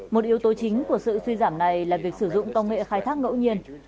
một yếu tố chính của sự suy giảm này là việc sử dụng công nghệ khai thác ngẫu nhiên